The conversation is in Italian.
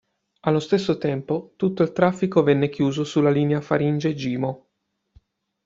Allo stesso tempo, tutto il traffico venne chiuso sulla linea Faringe-Gimo.